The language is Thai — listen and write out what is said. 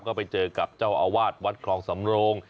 ก็ไปเจอกับเจ้าอาวาสวัดคลองสำโรง